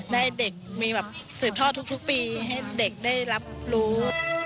ได้เด็กมีแบบสืบทอดทุกปีให้เด็กได้รับรู้